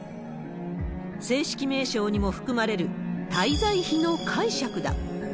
正式名称にも含まれる、滞在費の解釈だ。